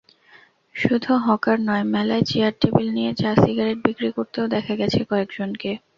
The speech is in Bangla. শুধু হকার নয়, মেলায় চেয়ার-টেবিল নিয়ে চা-সিগারেট বিক্রি করতেও দেখা গেছে কয়েকজনকে।